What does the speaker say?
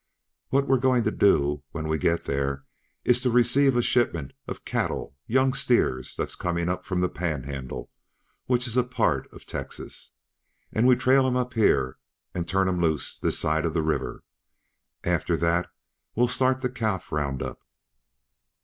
"What we're going to do when we get there is to receive a shipment of cattle young steer that's coming up from the Panhandle which is a part uh Texas. And we trail 'em up here and turn 'em loose this side the river. After that we'll start the calf roundup.